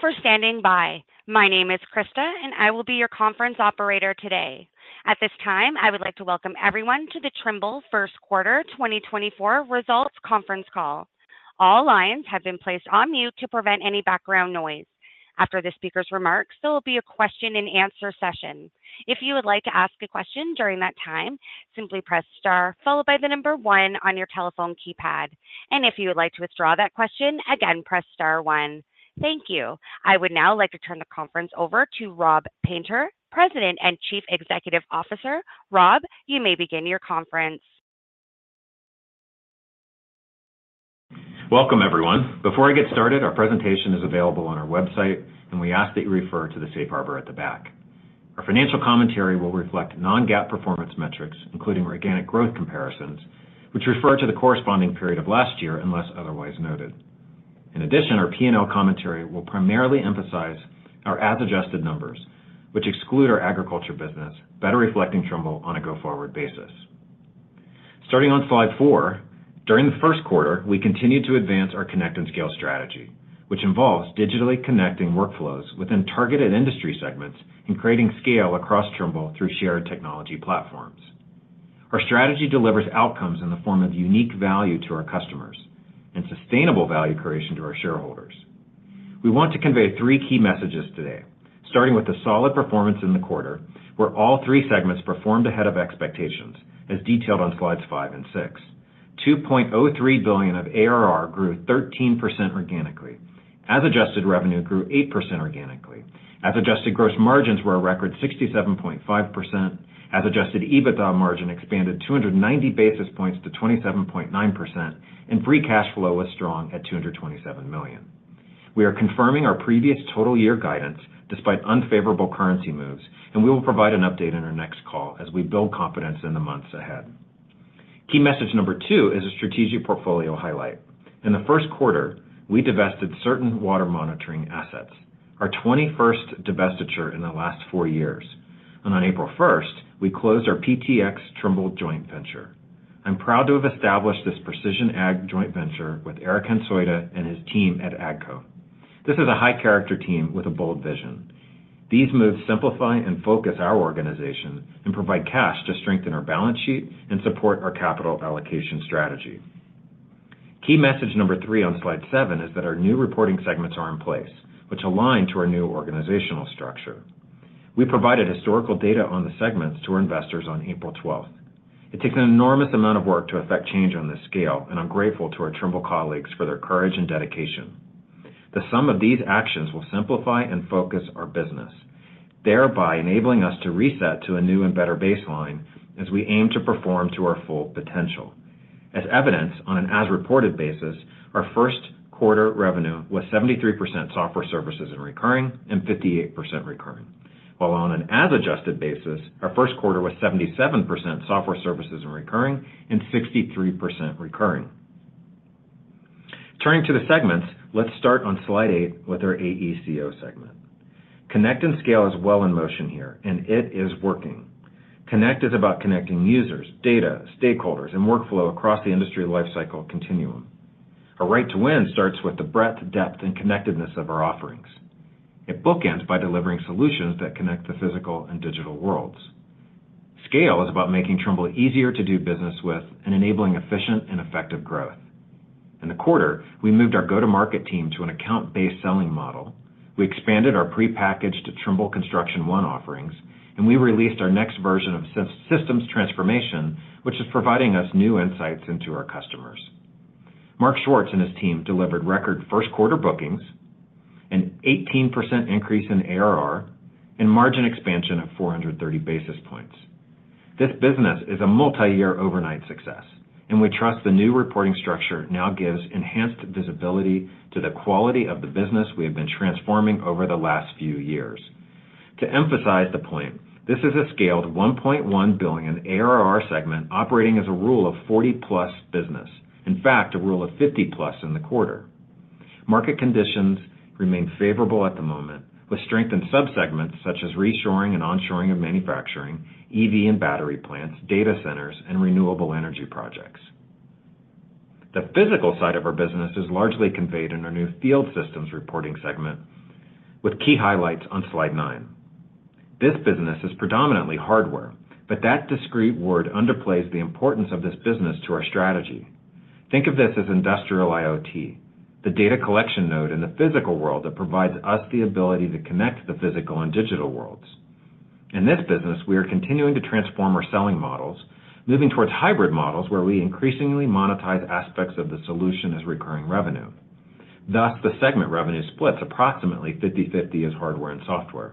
Thank you for standing by. My name is Krista, and I will be your conference operator today. At this time, I would like to welcome everyone to the Trimble first quarter 2024 results conference call. All lines have been placed on mute to prevent any background noise. After the speaker's remarks, there will be a question-and-answer session. If you would like to ask a question during that time, simply press star followed by the number one on your telephone keypad. If you would like to withdraw that question, again, press star one. Thank you. I would now like to turn the conference over to Rob Painter, President and Chief Executive Officer. Rob, you may begin your conference. Welcome, everyone. Before I get started, our presentation is available on our website, and we ask that you refer to the Safe Harbor at the back. Our financial commentary will reflect non-GAAP performance metrics, including organic growth comparisons, which refer to the corresponding period of last year unless otherwise noted. In addition, our P&L commentary will primarily emphasize our as-adjusted numbers, which exclude our agriculture business, better reflecting Trimble on a go-forward basis. Starting on slide four, during the first quarter, we continue to advance our Connect and Scale strategy, which involves digitally connecting workflows within targeted industry segments and creating scale across Trimble through shared technology platforms. Our strategy delivers outcomes in the form of unique value to our customers and sustainable value creation to our shareholders. We want to convey three key messages today, starting with the solid performance in the quarter where all three segments performed ahead of expectations, as detailed on slides five and six. $2.03 billion of ARR grew 13% organically. As-adjusted revenue grew 8% organically. As-adjusted gross margins were a record 67.5%. As-adjusted EBITDA margin expanded 290 basis points to 27.9%, and free cash flow was strong at $227 million. We are confirming our previous total year guidance despite unfavorable currency moves, and we will provide an update in our next call as we build confidence in the months ahead. Key message number two is a strategic portfolio highlight. In the first quarter, we divested certain water monitoring assets, our 21st divestiture in the last four years. On April 1st, we closed our PTx Trimble joint venture. I'm proud to have established this precision ag joint venture with Eric Hansotia and his team at AGCO. This is a high-character team with a bold vision. These moves simplify and focus our organization and provide cash to strengthen our balance sheet and support our capital allocation strategy. Key message number three on slide seven is that our new reporting segments are in place, which align to our new organizational structure. We provided historical data on the segments to our investors on April 12th. It takes an enormous amount of work to affect change on this scale, and I'm grateful to our Trimble colleagues for their courage and dedication. The sum of these actions will simplify and focus our business, thereby enabling us to reset to a new and better baseline as we aim to perform to our full potential. As evidenced on an as-reported basis, our first quarter revenue was 73% software services and recurring and 58% recurring, while on an as-adjusted basis, our first quarter was 77% software services and recurring and 63% recurring. Turning to the segments, let's start on slide eight with our AECO segment. Connect and Scale is well in motion here, and it is working. Connect is about connecting users, data, stakeholders, and workflow across the industry lifecycle continuum. Our right to win starts with the breadth, depth, and connectedness of our offerings. It bookends by delivering solutions that connect the physical and digital worlds. Scale is about making Trimble easier to do business with and enabling efficient and effective growth. In the quarter, we moved our go-to-market team to an account-based selling model. We expanded our prepackaged Trimble Construction One offerings, and we released our next version of Systems Transformation, which is providing us new insights into our customers. Mark Schwartz and his team delivered record first-quarter bookings, an 18% increase in ARR, and margin expansion of 430 basis points. This business is a multiyear overnight success, and we trust the new reporting structure now gives enhanced visibility to the quality of the business we have been transforming over the last few years. To emphasize the point, this is a scaled $1.1 billion ARR segment operating as a Rule of 40+ business, in fact, a Rule of 50+ in the quarter. Market conditions remain favorable at the moment with strengthened subsegments such as reshoring and onshoring of manufacturing, EV and battery plants, data centers, and renewable energy projects. The physical side of our business is largely conveyed in our new Field Systems reporting segment with key highlights on slide nine. This business is predominantly hardware, but that discrete word underplays the importance of this business to our strategy. Think of this as industrial IoT, the data collection node in the physical world that provides us the ability to connect the physical and digital worlds. In this business, we are continuing to transform our selling models, moving towards hybrid models where we increasingly monetize aspects of the solution as recurring revenue. Thus, the segment revenue splits approximately 50/50 as hardware and software.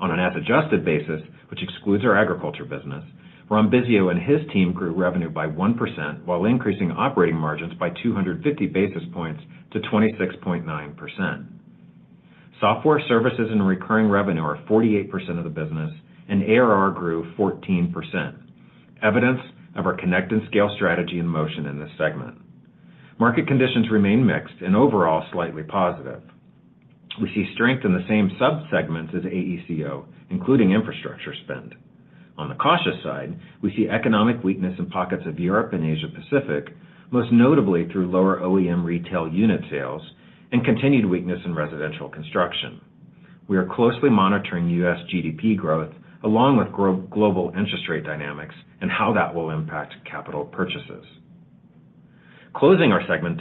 On an as-adjusted basis, which excludes our agriculture business, Ron Bisio and his team grew revenue by 1% while increasing operating margins by 250 basis points to 26.9%. Software services and recurring revenue are 48% of the business, and ARR grew 14%, evidence of our Connect and Scale strategy in motion in this segment. Market conditions remain mixed and overall slightly positive. We see strength in the same subsegments as AECO, including infrastructure spend. On the cautious side, we see economic weakness in pockets of Europe and Asia-Pacific, most notably through lower OEM retail unit sales and continued weakness in residential construction. We are closely monitoring U.S. GDP growth along with global interest rate dynamics and how that will impact capital purchases. Closing our segment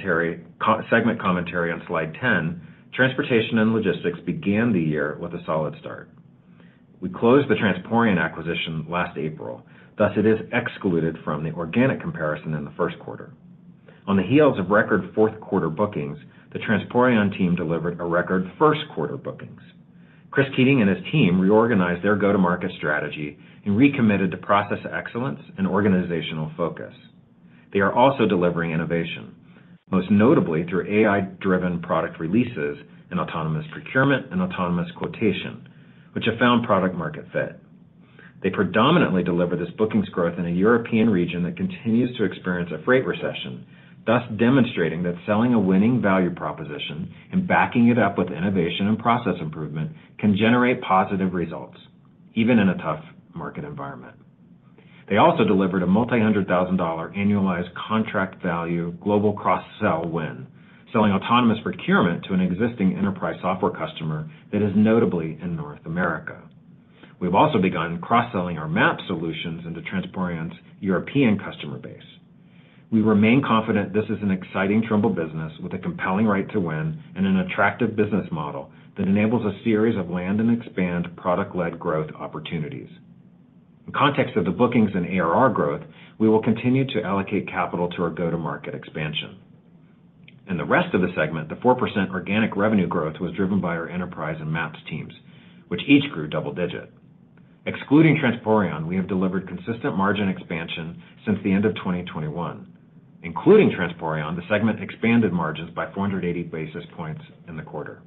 commentary on slide 10, Transportation and Logistics began the year with a solid start. We closed the Transporeon acquisition last April. Thus, it is excluded from the organic comparison in the first quarter. On the heels of record fourth-quarter bookings, the Transporeon team delivered a record first-quarter bookings. Chris Keating and his team reorganized their go-to-market strategy and recommitted to process excellence and organizational focus. They are also delivering innovation, most notably through AI-driven product releases and Autonomous Procurement and Autonomous Quotation, which have found product-market fit. They predominantly deliver this bookings growth in a European region that continues to experience a freight recession, thus demonstrating that selling a winning value proposition and backing it up with innovation and process improvement can generate positive results even in a tough market environment. They also delivered a multi-hundred-thousand-dollar annualized contract value global cross-sell win, selling Autonomous Procurement to an existing Enterprise software customer that is notably in North America. We have also begun cross-selling our MAPS solutions into Transporeon's European customer base. We remain confident this is an exciting Trimble business with a compelling right to win and an attractive business model that enables a series of land and expand product-led growth opportunities. In context of the bookings and ARR growth, we will continue to allocate capital to our go-to-market expansion. In the rest of the segment, the 4% organic revenue growth was driven by our Enterprise and MAPS teams, which each grew double-digit. Excluding Transporeon, we have delivered consistent margin expansion since the end of 2021. Including Transporeon, the segment expanded margins by 480 basis points in the quarter.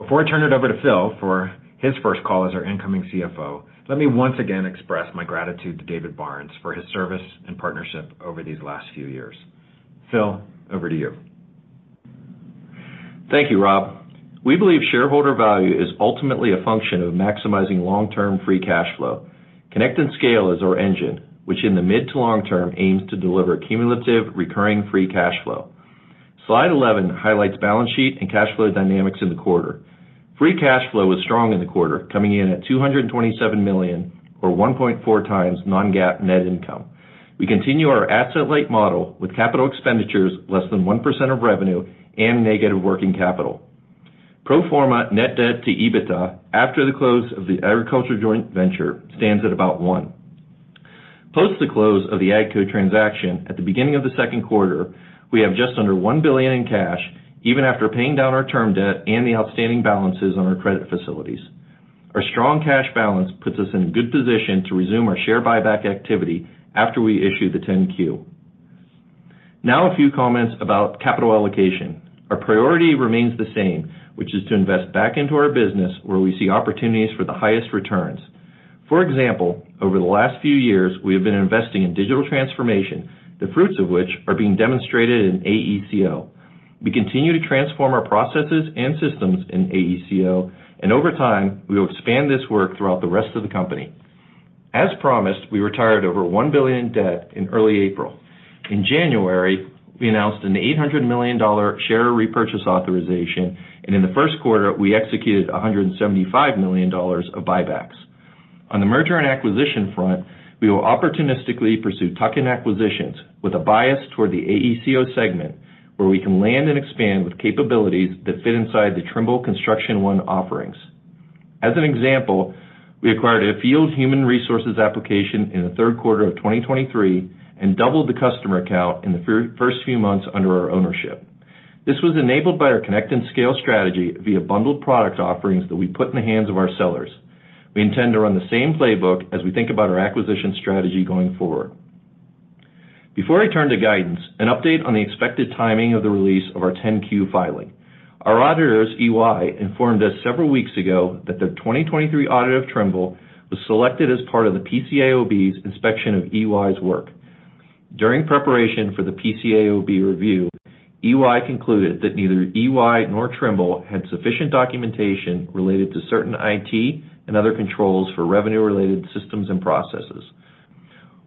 Before I turn it over to Phil for his first call as our incoming CFO, let me once again express my gratitude to David Barnes for his service and partnership over these last few years. Phil, over to you. Thank you, Rob. We believe shareholder value is ultimately a function of maximizing long-term free cash flow. Connect and Scale is our engine, which in the mid to long term aims to deliver cumulative recurring free cash flow. Slide 11 highlights balance sheet and cash flow dynamics in the quarter. Free cash flow was strong in the quarter, coming in at $227 million or 1.4x non-GAAP net income. We continue our asset-light model with capital expenditures less than 1% of revenue and negative working capital. Pro forma net debt to EBITDA after the close of the agriculture joint venture stands at about one. Post the close of the AGCO transaction at the beginning of the second quarter, we have just under $1 billion in cash even after paying down our term debt and the outstanding balances on our credit facilities. Our strong cash balance puts us in a good position to resume our share buyback activity after we issue the 10-Q. Now a few comments about capital allocation. Our priority remains the same, which is to invest back into our business where we see opportunities for the highest returns. For example, over the last few years, we have been investing in digital transformation, the fruits of which are being demonstrated in AECO. We continue to transform our processes and systems in AECO, and over time, we will expand this work throughout the rest of the company. As promised, we retired over $1 billion in debt in early April. In January, we announced an $800 million share repurchase authorization, and in the first quarter, we executed $175 million of buybacks. On the merger and acquisition front, we will opportunistically pursue tuck-in acquisitions with a bias toward the AECO segment where we can land and expand with capabilities that fit inside the Trimble Construction One offerings. As an example, we acquired a field human resources application in the third quarter of 2023 and doubled the customer account in the first few months under our ownership. This was enabled by our Connect and Scale strategy via bundled product offerings that we put in the hands of our sellers. We intend to run the same playbook as we think about our acquisition strategy going forward. Before I turn to guidance, an update on the expected timing of the release of our 10-Q filing. Our auditors, EY, informed us several weeks ago that their 2023 audit of Trimble was selected as part of the PCAOB's inspection of EY's work. During preparation for the PCAOB review, EY concluded that neither EY nor Trimble had sufficient documentation related to certain IT and other controls for revenue-related systems and processes.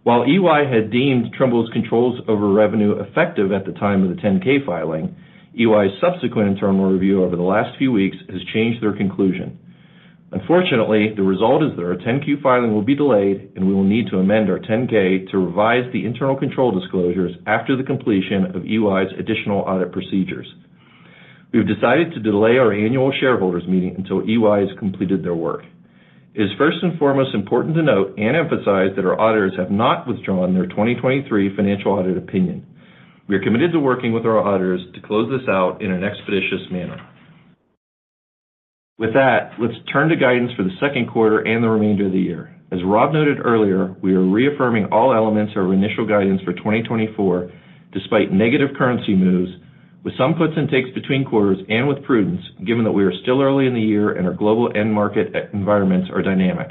While EY had deemed Trimble's controls over revenue effective at the time of the 10-K filing, EY's subsequent internal review over the last few weeks has changed their conclusion. Unfortunately, the result is that our 10-Q filing will be delayed, and we will need to amend our 10-K to revise the internal control disclosures after the completion of EY's additional audit procedures. We have decided to delay our annual shareholders' meeting until EY has completed their work. It is first and foremost important to note and emphasize that our auditors have not withdrawn their 2023 financial audit opinion. We are committed to working with our auditors to close this out in an expeditious manner. With that, let's turn to guidance for the second quarter and the remainder of the year. As Rob noted earlier, we are reaffirming all elements of our initial guidance for 2024 despite negative currency moves, with some puts and takes between quarters and with prudence given that we are still early in the year and our global end market environments are dynamic.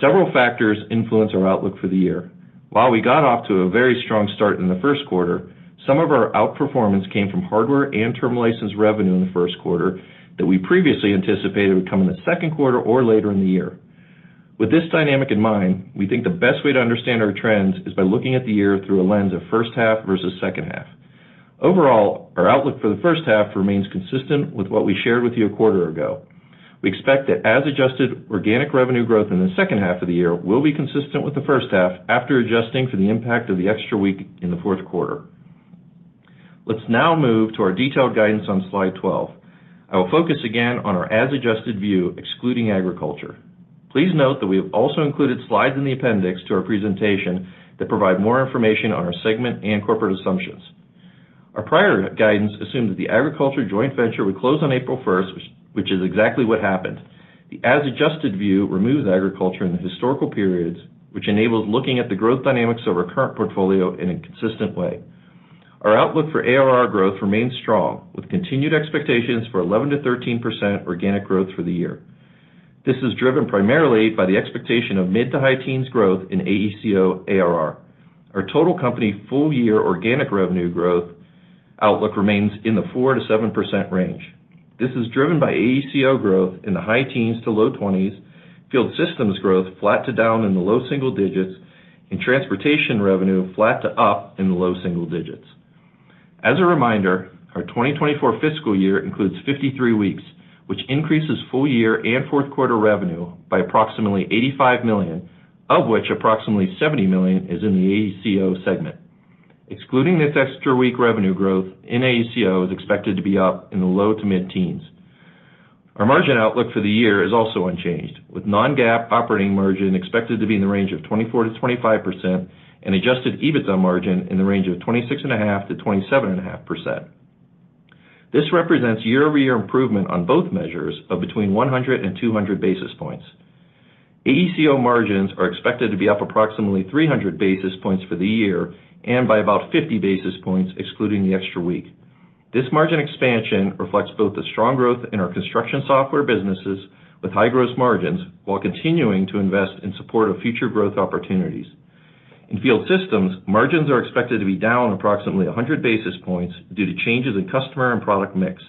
Several factors influence our outlook for the year. While we got off to a very strong start in the first quarter, some of our outperformance came from hardware and term license revenue in the first quarter that we previously anticipated would come in the second quarter or later in the year. With this dynamic in mind, we think the best way to understand our trends is by looking at the year through a lens of first half versus second half. Overall, our outlook for the first half remains consistent with what we shared with you a quarter ago. We expect that as-adjusted organic revenue growth in the second half of the year will be consistent with the first half after adjusting for the impact of the extra week in the fourth quarter. Let's now move to our detailed guidance on slide 12. I will focus again on our as-adjusted view excluding agriculture. Please note that we have also included slides in the appendix to our presentation that provide more information on our segment and corporate assumptions. Our prior guidance assumed that the agriculture joint venture would close on April 1st, which is exactly what happened. The as-adjusted view removes agriculture in the historical periods, which enables looking at the growth dynamics of our current portfolio in a consistent way. Our outlook for ARR growth remains strong with continued expectations for 11%-13% organic growth for the year. This is driven primarily by the expectation of mid to high teens growth in AECO ARR. Our total company full-year organic revenue growth outlook remains in the 4%-7% range. This is driven by AECO growth in the high teens to low 20s, Field Systems growth flat to down in the low single digits, and Transportation revenue flat to up in the low single digits. As a reminder, our 2024 fiscal year includes 53 weeks, which increases full-year and fourth quarter revenue by approximately $85 million, of which approximately $70 million is in the AECO segment. Excluding this extra week revenue growth, in AECO is expected to be up in the low to mid teens. Our margin outlook for the year is also unchanged, with non-GAAP operating margin expected to be in the range of 24%-25% and Adjusted EBITDA margin in the range of 26.5%-27.5%. This represents year-over-year improvement on both measures of between 100 and 200 basis points. AECO margins are expected to be up approximately 300 basis points for the year and by about 50 basis points excluding the extra week. This margin expansion reflects both the strong growth in our construction software businesses with high gross margins while continuing to invest in support of future growth opportunities. In Field Systems, margins are expected to be down approximately 100 basis points due to changes in customer and product mix.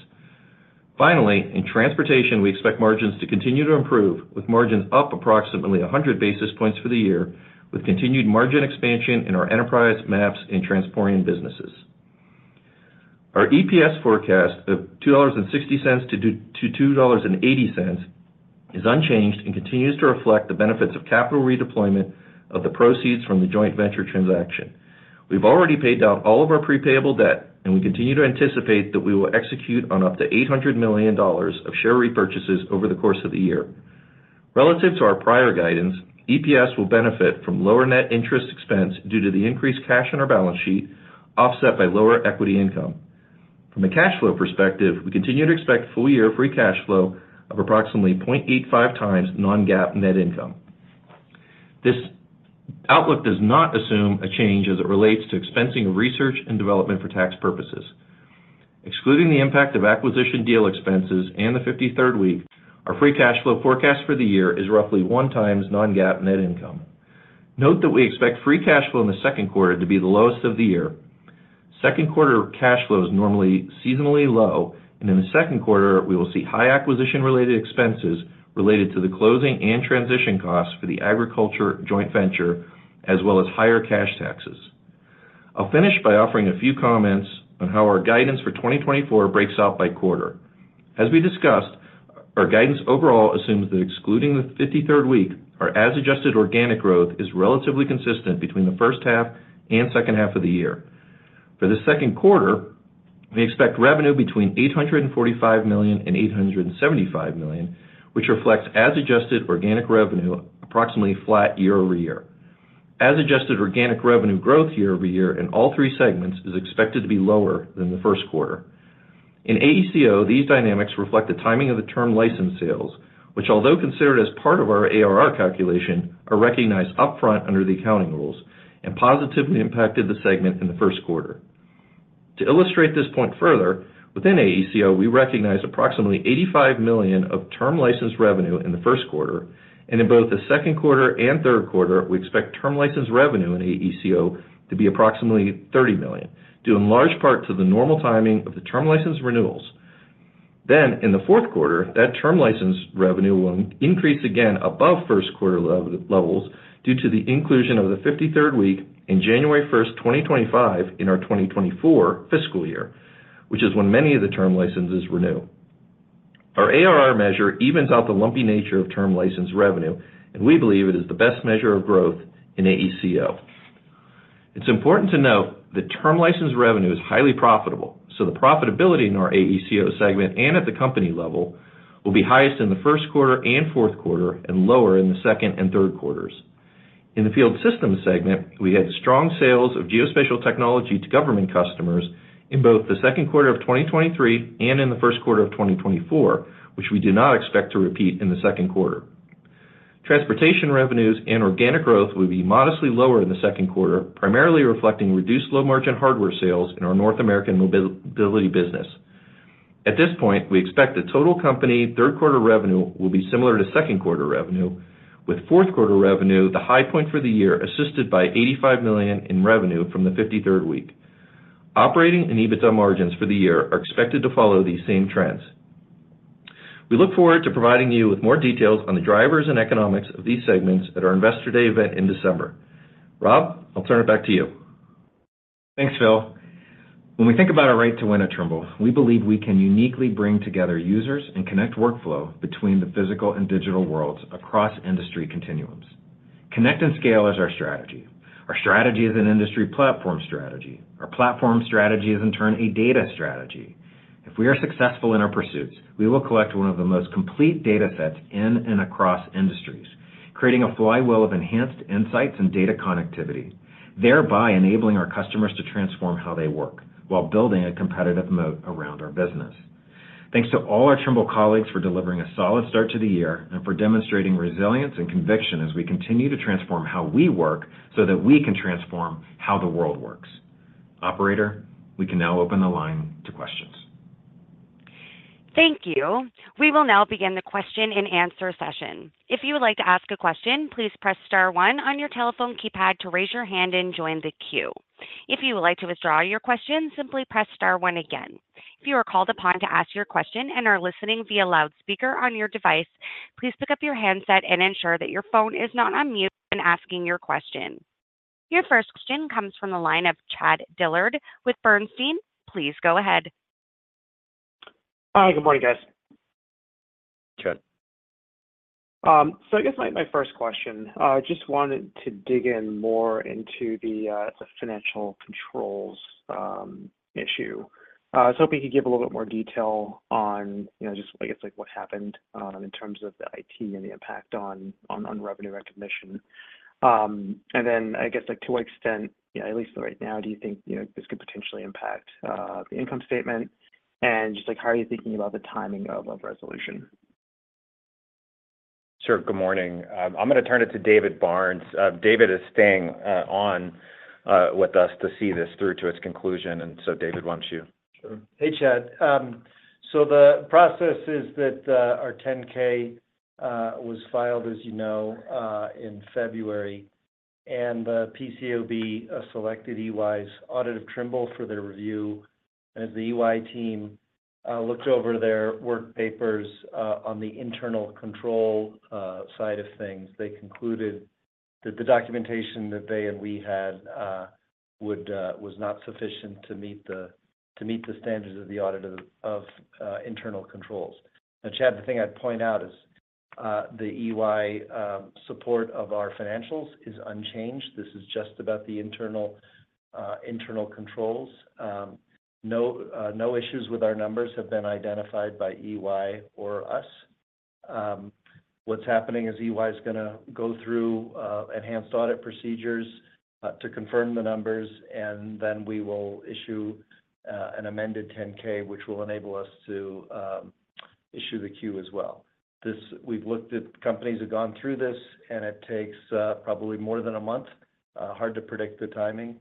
Finally, in Transportation, we expect margins to continue to improve with margins up approximately 100 basis points for the year with continued margin expansion in our Enterprise MAPS and Transporeon businesses. Our EPS forecast of $2.60-$2.80 is unchanged and continues to reflect the benefits of capital redeployment of the proceeds from the joint venture transaction. We've already paid out all of our prepayable debt, and we continue to anticipate that we will execute on up to $800 million of share repurchases over the course of the year. Relative to our prior guidance, EPS will benefit from lower net interest expense due to the increased cash on our balance sheet offset by lower equity income. From a cash flow perspective, we continue to expect full-year free cash flow of approximately 0.85x non-GAAP net income. This outlook does not assume a change as it relates to expensing of research and development for tax purposes. Excluding the impact of acquisition deal expenses and the 53rd week, our free cash flow forecast for the year is roughly 1x non-GAAP net income. Note that we expect free cash flow in the second quarter to be the lowest of the year. Second quarter cash flow is normally seasonally low, and in the second quarter, we will see high acquisition-related expenses related to the closing and transition costs for the agriculture joint venture as well as higher cash taxes. I'll finish by offering a few comments on how our guidance for 2024 breaks out by quarter. As we discussed, our guidance overall assumes that excluding the 53rd week, our as-adjusted organic growth is relatively consistent between the first half and second half of the year. For the second quarter, we expect revenue between $845 million-$875 million, which reflects as-adjusted organic revenue approximately flat year-over-year. As-adjusted organic revenue growth year-over-year in all three segments is expected to be lower than the first quarter. In AECO, these dynamics reflect the timing of the term license sales, which, although considered as part of our ARR calculation, are recognized upfront under the accounting rules and positively impacted the segment in the first quarter. To illustrate this point further, within AECO, we recognize approximately $85 million of term license revenue in the first quarter, and in both the second quarter and third quarter, we expect term license revenue in AECO to be approximately $30 million due in large part to the normal timing of the term license renewals. Then, in the fourth quarter, that term license revenue will increase again above first quarter levels due to the inclusion of the 53rd week on January 1st, 2025, in our 2024 fiscal year, which is when many of the term licenses renew. Our ARR measure evens out the lumpy nature of term license revenue, and we believe it is the best measure of growth in AECO. It's important to note that term license revenue is highly profitable, so the profitability in our AECO segment and at the company level will be highest in the first quarter and fourth quarter and lower in the second and third quarters. In the Field Systems segment, we had strong sales of geospatial technology to government customers in both the second quarter of 2023 and in the first quarter of 2024, which we did not expect to repeat in the second quarter. Transportation revenues and organic growth will be modestly lower in the second quarter, primarily reflecting reduced low-margin hardware sales in our North American mobility business. At this point, we expect the total company third quarter revenue will be similar to second quarter revenue, with fourth quarter revenue the high point for the year assisted by $85 million in revenue from the 53rd week. Operating and EBITDA margins for the year are expected to follow these same trends. We look forward to providing you with more details on the drivers and economics of these segments at our Investor Day event in December. Rob, I'll turn it back to you. Thanks, Phil. When we think about our right to win at Trimble, we believe we can uniquely bring together users and connect workflow between the physical and digital worlds across industry continuums. Connect and Scale is our strategy. Our strategy is an industry platform strategy. Our platform strategy is, in turn, a data strategy. If we are successful in our pursuits, we will collect one of the most complete data sets in and across industries, creating a flywheel of enhanced insights and data connectivity, thereby enabling our customers to transform how they work while building a competitive moat around our business. Thanks to all our Trimble colleagues for delivering a solid start to the year and for demonstrating resilience and conviction as we continue to transform how we work so that we can transform how the world works. Operator, we can now open the line to questions. Thank you. We will now begin the question-and-answer session. If you would like to ask a question, please press star one on your telephone keypad to raise your hand and join the queue. If you would like to withdraw your question, simply press star one again. If you are called upon to ask your question and are listening via loudspeaker on your device, please pick up your handset and ensure that your phone is not unmuted when asking your question. Your first question comes from the line of Chad Dillard with Bernstein. Please go ahead. Hi. Good morning, guys. Chad. So I guess my first question, I just wanted to dig in more into the financial controls issue. I was hoping you could give a little bit more detail on just, I guess, what happened in terms of the IT and the impact on revenue recognition. Then, I guess, to what extent, at least right now, do you think this could potentially impact the income statement and just how are you thinking about the timing of resolution? Sure. Good morning. I'm going to turn it to David Barnes. David is staying on with us to see this through to its conclusion. So, David, why don't you? Sure. Hey, Chad. So the process is that our 10-K was filed, as you know, in February, and the PCAOB selected EY's audit of Trimble for their review. As the EY team looked over their work papers on the internal control side of things, they concluded that the documentation that they and we had was not sufficient to meet the standards of the audit of internal controls. Now, Chad, the thing I'd point out is the EY support of our financials is unchanged. This is just about the internal controls. No issues with our numbers have been identified by EY or us. What's happening is EY is going to go through enhanced audit procedures to confirm the numbers, and then we will issue an amended 10-K, which will enable us to issue the 10-Q as well. We've looked at companies who have gone through this, and it takes probably more than a month. Hard to predict the timing.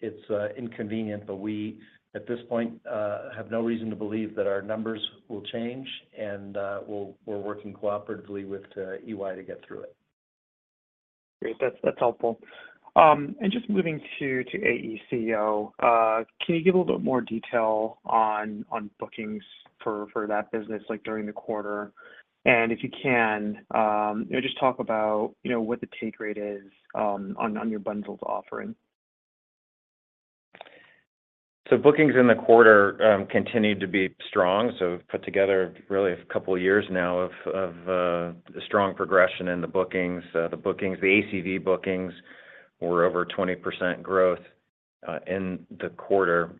It's inconvenient, but we, at this point, have no reason to believe that our numbers will change. We're working cooperatively with EY to get through it. Great. That's helpful. Just moving to AECO, can you give a little bit more detail on bookings for that business during the quarter? If you can, just talk about what the take rate is on your bundled offering. So bookings in the quarter continue to be strong. So put together really a couple of years now of strong progression in the bookings. The ACV bookings were over 20% growth in the quarter.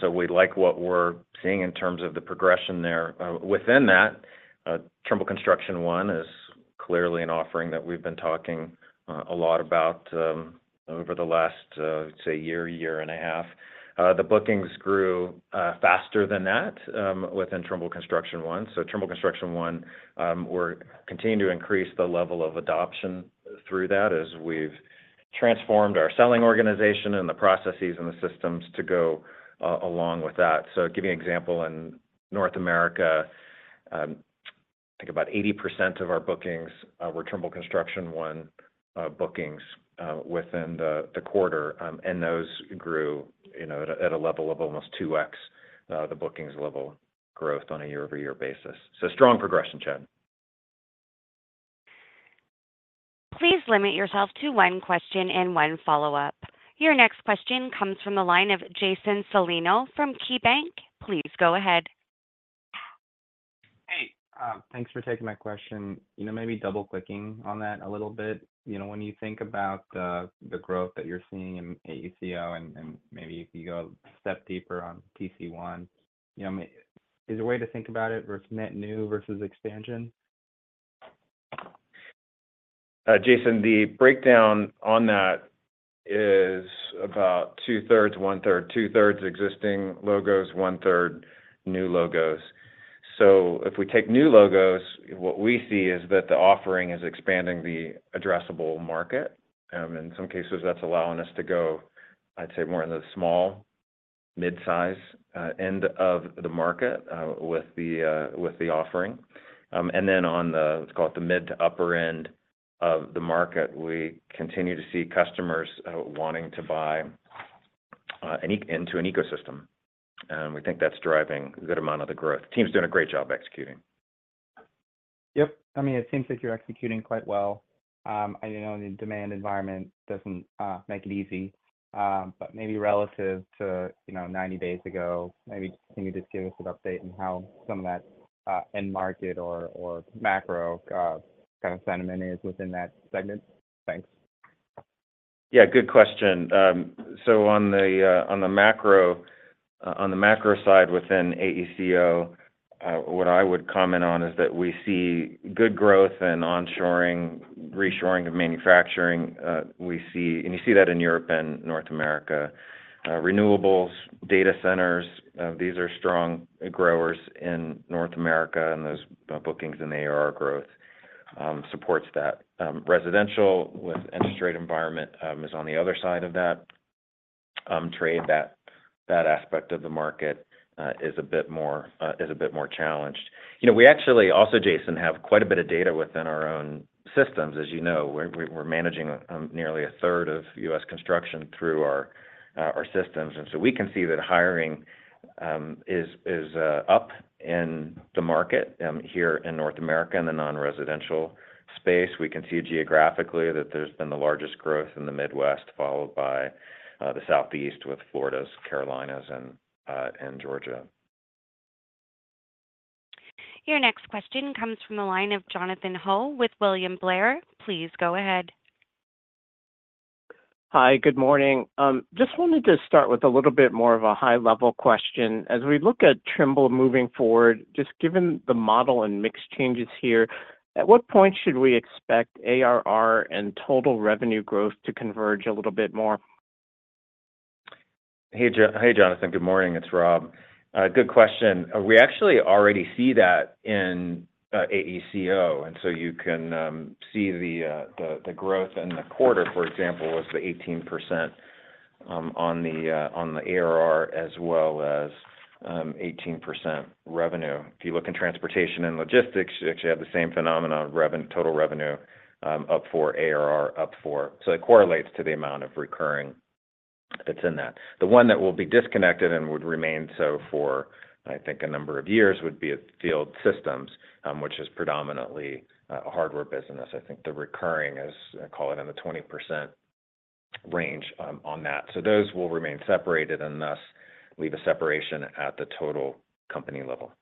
So we like what we're seeing in terms of the progression there. Within that, Trimble Construction One is clearly an offering that we've been talking a lot about over the last, I'd say, year, year and a half. The bookings grew faster than that within Trimble Construction One. So Trimble Construction One, we're continuing to increase the level of adoption through that as we've transformed our selling organization and the processes and the systems to go along with that. So giving an example, in North America, I think about 80% of our bookings were Trimble Construction One bookings within the quarter. Those grew at a level of almost 2x the bookings level growth on a year-over-year basis. So strong progression, Chad. Please limit yourself to one question and one follow-up. Your next question comes from the line of Jason Celino from KeyBanc Capital Markets. Please go ahead. Hey. Thanks for taking my question. Maybe double-clicking on that a little bit. When you think about the growth that you're seeing in AECO, and maybe if you go a step deeper on TC1, is there a way to think about it versus net new versus expansion? Jason, the breakdown on that is about 2/3, 1/3. 2/3 existing logos, 1/3 new logos. So if we take new logos, what we see is that the offering is expanding the addressable market. In some cases, that's allowing us to go, I'd say, more in the small, midsize end of the market with the offering. Then on the, let's call it, the mid to upper end of the market, we continue to see customers wanting to buy into an ecosystem and we think that's driving a good amount of the growth. Team's doing a great job executing. Yep. I mean, it seems like you're executing quite well. I know the demand environment doesn't make it easy. But maybe relative to 90 days ago, maybe can you just give us an update on how some of that end market or macro kind of sentiment is within that segment? Thanks. Yeah. Good question. So on the macro side within AECO, what I would comment on is that we see good growth and onshoring, reshoring of manufacturing and you see that in Europe and North America. Renewables, data centers, these are strong growers in North America, and those bookings and ARR growth supports that. Residential with interest rate environment is on the other side of that trade. That aspect of the market is a bit more challenged. We actually also, Jason, have quite a bit of data within our own systems, as you know. We're managing nearly a third of U.S. construction through our systems. So we can see that hiring is up in the market here in North America in the non-residential space. We can see geographically that there's been the largest growth in the Midwest, followed by the Southeast with Florida, Carolinas, and Georgia. Your next question comes from the line of Jonathan Ho with William Blair. Please go ahead. Hi. Good morning. Just wanted to start with a little bit more of a high-level question. As we look at Trimble moving forward, just given the model and mixed changes here, at what point should we expect ARR and total revenue growth to converge a little bit more? Hey, Jonathan. Good morning. It's Rob. Good question. We actually already see that in AECO. So you can see the growth in the quarter, for example, was 18% on the ARR as well as 18% revenue. If you look in Transportation and Logistics, you actually have the same phenomenon: total revenue up for ARR, up for so it correlates to the amount of recurring that's in that. The one that will be disconnected and would remain so for, I think, a number of years would be Field Systems, which is predominantly a hardware business. I think the recurring is, I call it, in the 20% range on that. So those will remain separated and thus leave a separation at the total company level.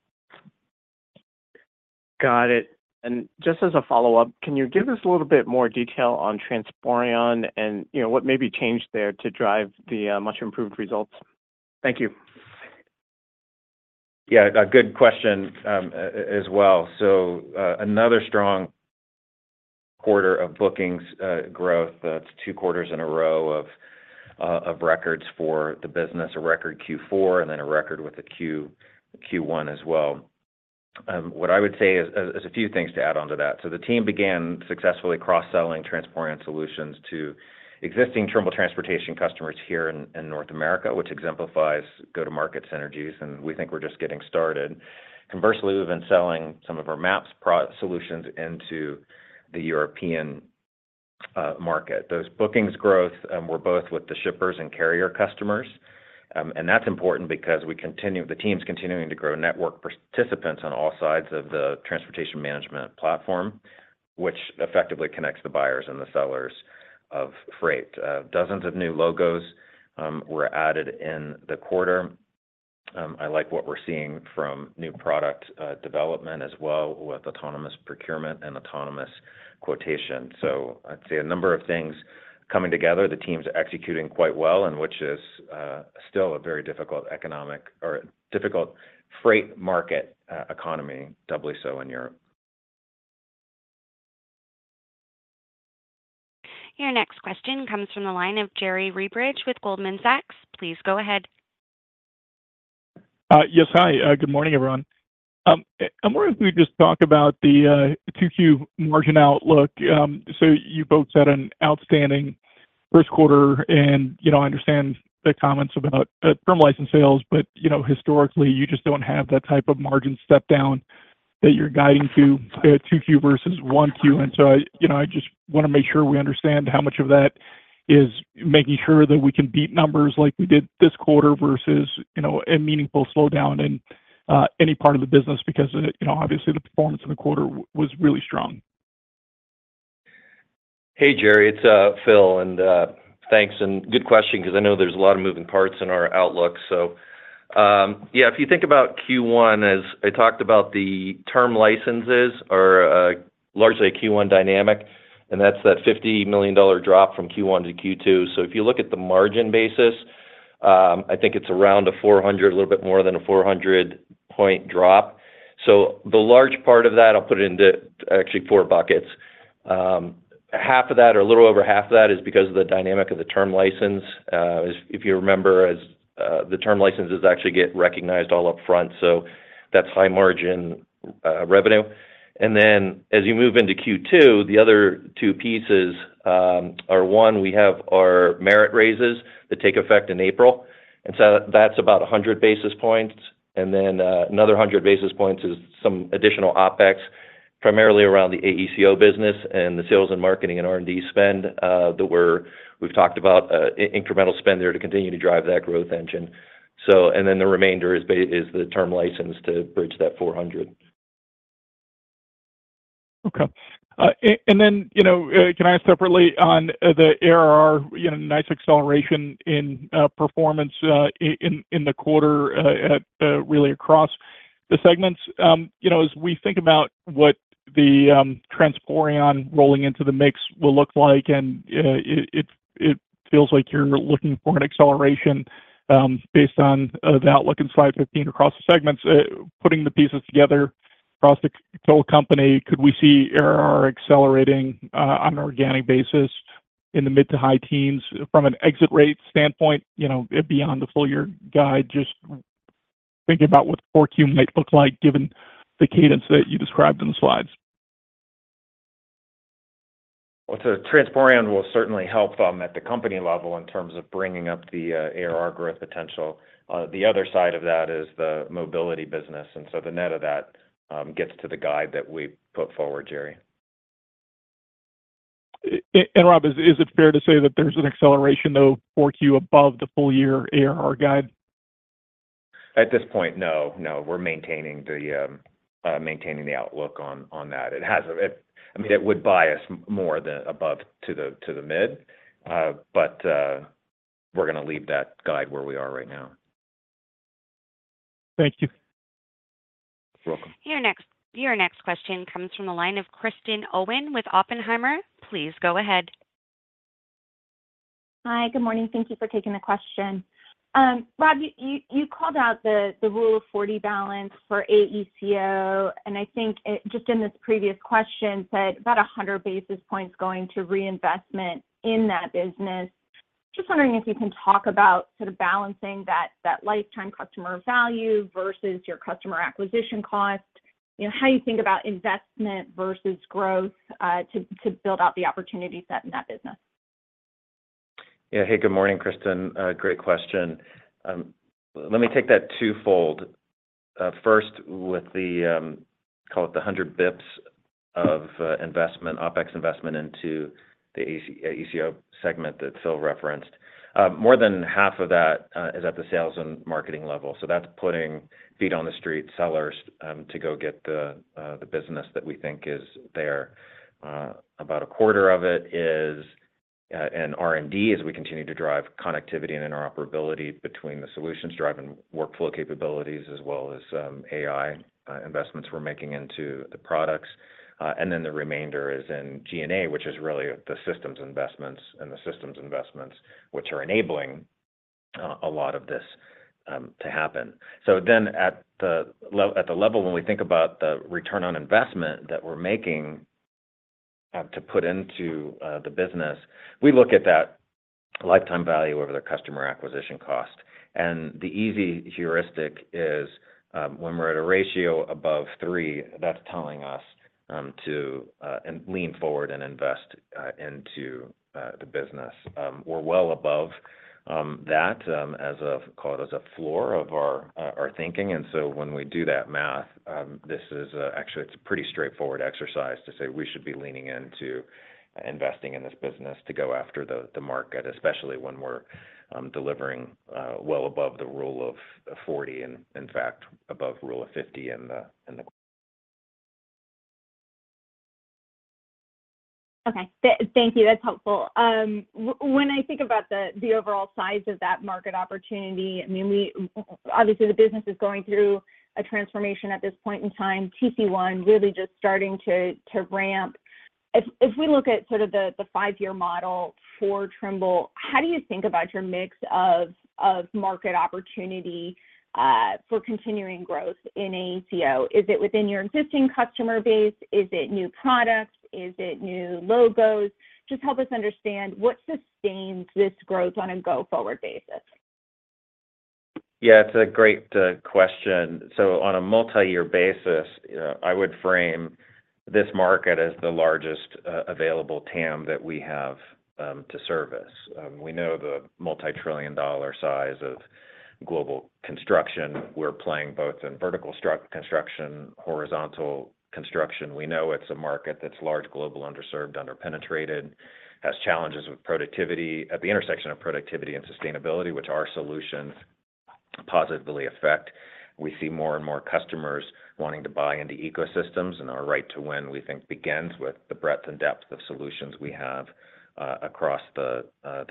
Got it. Just as a follow-up, can you give us a little bit more detail on Transporeon and what may be changed there to drive the much-improved results? Thank you. Yeah. Good question as well. So another strong quarter of bookings growth, that's two quarters in a row of records for the business: a record Q4 and then a record with a Q1 as well. What I would say is a few things to add on to that. So the team began successfully cross-selling Transporeon solutions to existing Trimble Transportation customers here in North America, which exemplifies go-to-market synergies and we think we're just getting started. Conversely, we've been selling some of our MAPS solutions into the European market. Those bookings growth were both with the shippers and carrier customers and that's important because the team's continuing to grow network participants on all sides of the Transportation management platform, which effectively connects the buyers and the sellers of freight. Dozens of new logos were added in the quarter. I like what we're seeing from new product development as well with Autonomous Procurement and Autonomous Quotation. So I'd say a number of things coming together, the team's executing quite well, in which is still a very difficult economic or difficult freight market economy, doubly so in Europe. Your next question comes from the line of Jerry Revich with Goldman Sachs. Please go ahead. Yes. Hi. Good morning, everyone. I'm wondering if we could just talk about the 2Q margin outlook. So you both said an outstanding first quarter and I understand the comments about thermal license sales, but historically, you just don't have that type of margin step-down that you're guiding to, 2Q versus 1Q. So I just want to make sure we understand how much of that is making sure that we can beat numbers like we did this quarter versus a meaningful slowdown in any part of the business because, obviously, the performance in the quarter was really strong. Hey, Jerry. It's Phil. Thanks. And good question because I know there's a lot of moving parts in our outlook. So yeah, if you think about Q1, as I talked about, the term licenses are largely a Q1 dynamic and that's that $50 million drop from Q1 to Q2. So if you look at the margin basis, I think it's around a 400, a little bit more than a 400-point drop. So the large part of that, I'll put it into actually four buckets. Half of that or a little over half of that is because of the dynamic of the term license. If you remember, the term licenses actually get recognized all upfront. So that's high-margin revenue. Then as you move into Q2, the other two pieces are, one, we have our merit raises that take effect in April. So that's about 100 basis points. Then another 100 basis points is some additional OpEx, primarily around the AECO business and the sales and marketing and R&D spend that we've talked about, incremental spend there to continue to drive that growth engine. Then the remainder is the term license to bridge that 400. Okay. Then can I ask separately on the ARR, nice acceleration in performance in the quarter really across the segments? As we think about what the Transporeon rolling into the mix will look like, and it feels like you're looking for an acceleration based on the outlook in slide 15 across the segments, putting the pieces together across the total company. Could we see ARR accelerating on an organic basis in the mid- to high teens from an exit rate standpoint beyond the full-year guide? Just thinking about what 4Q might look like given the cadence that you described in the slides. Transporeon will certainly help at the company level in terms of bringing up the ARR growth potential. The other side of that is the mobility business. So the net of that gets to the guide that we put forward, Jerry. Rob, is it fair to say that there's an acceleration, though, 4Q above the full-year ARR guide? At this point, no. No. We're maintaining the outlook on that. I mean, it would bias more than above to the mid, but we're going to leave that guide where we are right now. Thank you. You're welcome. Your next question comes from the line of Kristen Owen with Oppenheimer. Please go ahead. Hi. Good morning. Thank you for taking the question. Rob, you called out the Rule of 40 balance for AECO and I think just in this previous question, said about 100 basis points going to reinvestment in that business. Just wondering if you can talk about sort of balancing that lifetime customer value versus your customer acquisition cost, how you think about investment versus growth to build out the opportunities set in that business. Yeah. Hey. Good morning, Kristen. Great question. Let me take that twofold. First, with the, call it, the 100 basis points of investment, OpEx investment into the AECO segment that Phil referenced, more than half of that is at the sales and marketing level. So that's putting feet on the street, sellers to go get the business that we think is there. About a quarter of it is in R&D as we continue to drive connectivity and interoperability between the solutions, driving workflow capabilities as well as AI investments we're making into the products. Then the remainder is in G&A, which is really the systems investments and the systems investments, which are enabling a lot of this to happen. So then at the level when we think about the return on investment that we're making to put into the business, we look at that lifetime value over their customer acquisition cost and the easy heuristic is when we're at a ratio above three, that's telling us to lean forward and invest into the business. We're well above that as a, call it, as a floor of our thinking. So when we do that math, this is actually, it's a pretty straightforward exercise to say we should be leaning into investing in this business to go after the market, especially when we're delivering well above the Rule of 40 and, in fact, above Rule of 50 in the- Okay. Thank you. That's helpful. When I think about the overall size of that market opportunity, I mean, obviously, the business is going through a transformation at this point in time, TC1 really just starting to ramp. If we look at sort of the five-year model for Trimble, how do you think about your mix of market opportunity for continuing growth in AECO? Is it within your existing customer base? Is it new products? Is it new logos? Just help us understand what sustains this growth on a go-forward basis. Yeah. It's a great question. So on a multi-year basis, I would frame this market as the largest available TAM that we have to service. We know the multi-trillion-dollar size of global construction. We're playing both in vertical construction, horizontal construction. We know it's a market that's large, global, underserved, underpenetrated, has challenges with productivity at the intersection of productivity and sustainability, which our solutions positively affect. We see more and more customers wanting to buy into ecosystems and our right to win, we think, begins with the breadth and depth of solutions we have across the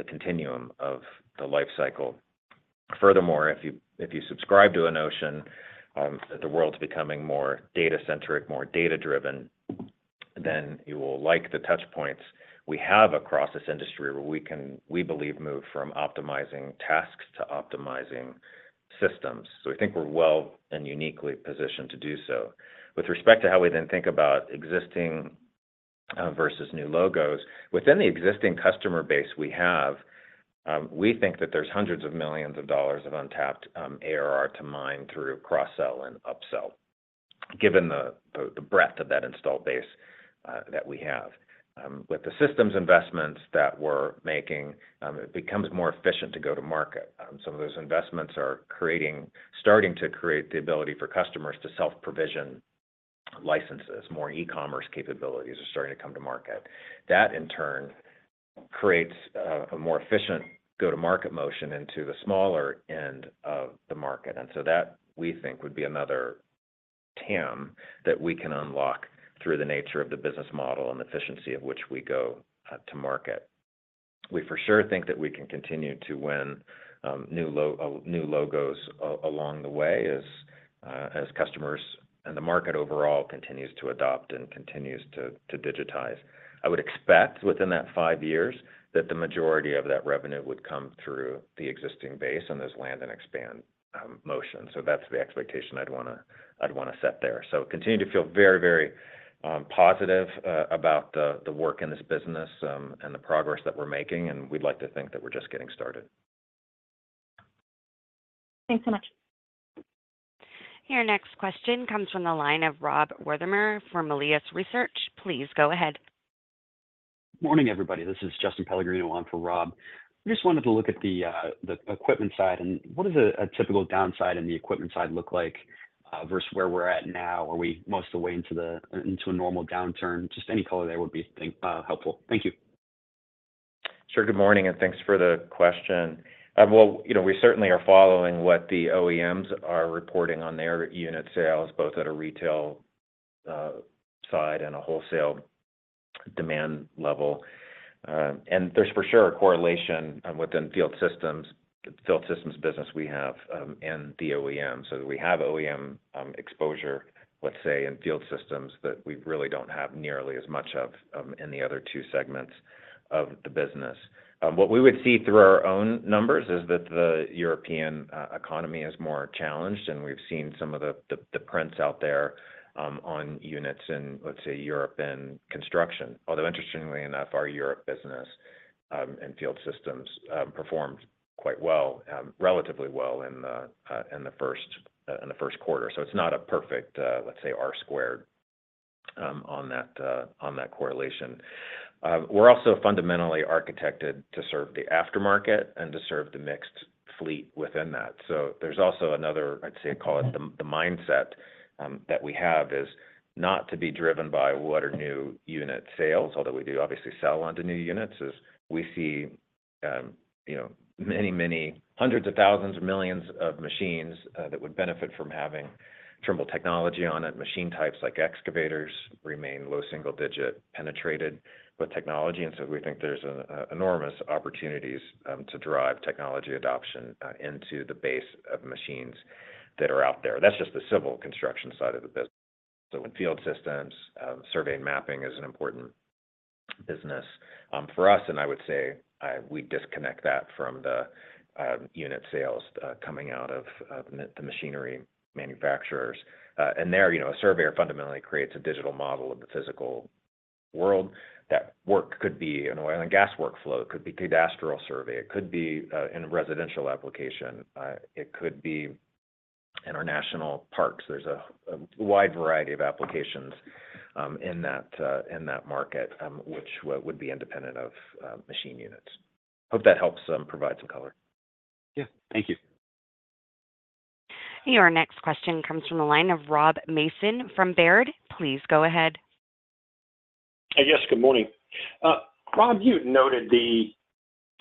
continuum of the lifecycle. Furthermore, if you subscribe to a notion that the world's becoming more data-centric, more data-driven, then you will like the touchpoints we have across this industry where we can, we believe, move from optimizing tasks to optimizing systems. So we think we're well and uniquely positioned to do so. With respect to how we then think about existing versus new logos, within the existing customer base we have, we think that there's hundreds of millions of dollars of untapped ARR to mine through cross-sell and upsell, given the breadth of that installed base that we have. With the systems investments that we're making, it becomes more efficient to go to market. Some of those investments are starting to create the ability for customers to self-provision licenses. More e-commerce capabilities are starting to come to market. That, in turn, creates a more efficient go-to-market motion into the smaller end of the market. So that, we think, would be another TAM that we can unlock through the nature of the business model and the efficiency of which we go to market. We for sure think that we can continue to win new logos along the way as customers and the market overall continues to adopt and continues to digitize. I would expect within that five years that the majority of that revenue would come through the existing base and those land and expand motions. So that's the expectation I'd want to set there. So continue to feel very, very positive about the work in this business and the progress that we're making and we'd like to think that we're just getting started. Thanks so much. Your next question comes from the line of Rob Wertheimer from Melius Research. Please go ahead. Morning, everybody. This is Justin Pellegrino on for Rob. I just wanted to look at the equipment side. What does a typical downside in the equipment side look like versus where we're at now? Are we most of the way into a normal downturn? Just any color there would be helpful. Thank you. Sure. Good morning. Thanks for the question. Well, we certainly are following what the OEMs are reporting on their unit sales, both at a retail side and a wholesale demand level. There's for sure a correlation within Field Systems, Field Systems business we have in the OEM. So we have OEM exposure, let's say, in Field Systems that we really don't have nearly as much of in the other two segments of the business. What we would see through our own numbers is that the European economy is more challenged. We've seen some of the prints out there on units in, let's say, Europe and construction, although interestingly enough, our Europe business and Field Systems performed quite well, relatively well in the first quarter. So it's not a perfect, let's say, R-squared on that correlation. We're also fundamentally architected to serve the aftermarket and to serve the mixed fleet within that. So there's also another, I'd say, call it the mindset that we have is not to be driven by what are new unit sales, although we do obviously sell onto new units, is we see many, many hundreds of thousands or millions of machines that would benefit from having Trimble technology on it. Machine types like excavators remain low single-digit penetration with technology. So we think there's enormous opportunities to drive technology adoption into the base of machines that are out there. That's just the civil construction side of the business. So in Field Systems, survey and mapping is an important business for us and I would say we disconnect that from the unit sales coming out of the machinery manufacturers. There, a surveyor fundamentally creates a digital model of the physical world. That work could be an oil and gas workflow. It could be cadastral survey. It could be in a residential application. It could be in our national parks. There's a wide variety of applications in that market, which would be independent of machine units. Hope that helps provide some color. Yeah. Thank you. Your next question comes from the line of Rob Mason from Baird. Please go ahead. Yes. Good morning. Rob, you noted the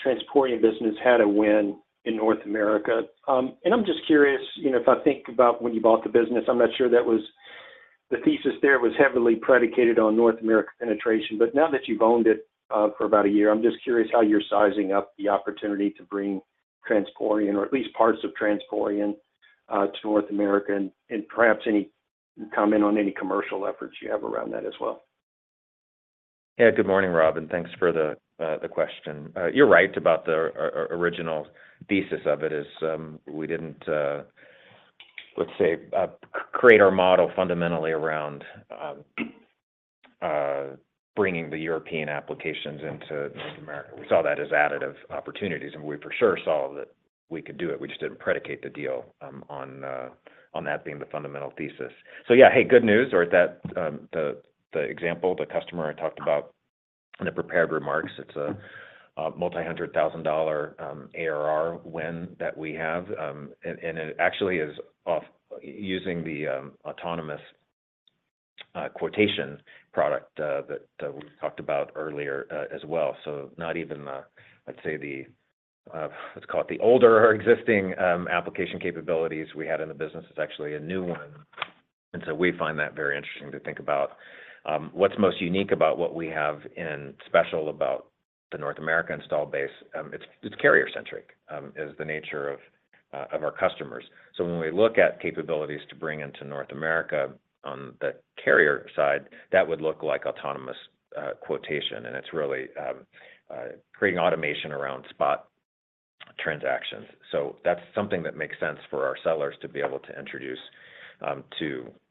Transporeon business had a win in North America. I'm just curious, if I think about when you bought the business, I'm not sure that was the thesis there was heavily predicated on North America penetration. Now that you've owned it for about a year, I'm just curious how you're sizing up the opportunity to bring Transporeon or at least parts of Transporeon to North America. Perhaps any comment on any commercial efforts you have around that as well. Yeah. Good morning, Rob and thanks for the question. You're right about the original thesis of it is we didn't, let's say, create our model fundamentally around bringing the European applications into North America. We saw that as additive opportunities and we for sure saw that we could do it. We just didn't predicate the deal on that being the fundamental thesis. So yeah. Hey, good news, or the example, the customer I talked about in the prepared remarks, it's a multi-hundred-thousand-dollar ARR win that we have and it actually is using the Autonomous Quotation product that we talked about earlier as well. So not even, let's say, the let's call it the older or existing application capabilities we had in the business. It's actually a new one. So we find that very interesting to think about. What’s most unique about what we have is special about the North America install base; it’s carrier-centric as the nature of our customers. So when we look at capabilities to bring into North America on the carrier side, that would look like Autonomous Quotation and it’s really creating automation around spot transactions. So that’s something that makes sense for our sellers to be able to introduce